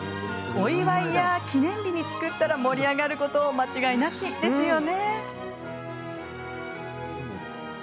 お祝いや記念日に作ったら盛り上がること間違いなしですよね。